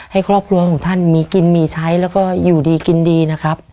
ให้ครอบครัวของท่านมีกินมีใช้แล้วก็อยู่ดีกินดีนะครับ